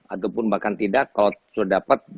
ataupun bahkan tidak kalau sudah dapat